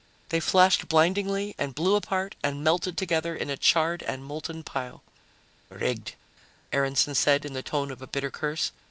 They flashed blindingly and blew apart and melted together in a charred and molten pile. "Rigged," Aaronson said in the tone of a bitter curse.